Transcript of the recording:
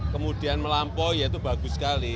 kemudian melampaui ya itu bagus sekali